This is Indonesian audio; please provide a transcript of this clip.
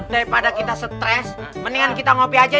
daripada kita stres mendingan kita ngopi aja